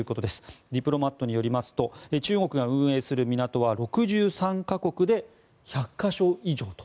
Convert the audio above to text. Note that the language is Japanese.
「ザ・ディプロマット」によりますと中国が運営する港は６３か国で１００か所以上と。